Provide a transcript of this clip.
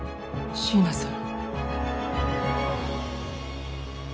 椎名さん？